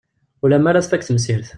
Ula mi ara tfak temsirt.